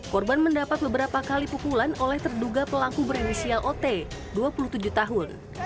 korban mendapat beberapa kali pukulan oleh terduga pelaku berinisial ot dua puluh tujuh tahun